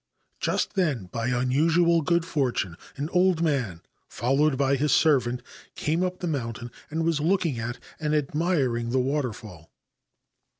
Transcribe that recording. Just then, by unusual good fortune, an old man, followed by his servant, came up the mountain and was looking at and admiring the waterfall.